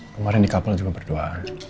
kemarin di couple juga berdua